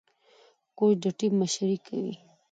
کوچ د ټيم مشري کوي.